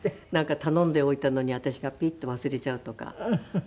頼んでおいたのに私がピッと忘れちゃうとか。